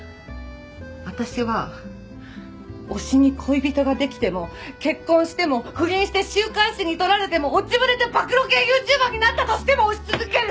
私は推しに恋人ができても結婚しても不倫して週刊誌に撮られても落ちぶれて暴露系ＹｏｕＴｕｂｅｒになったとしても推し続ける！